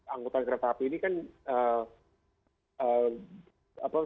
angkutan kereta api ini kan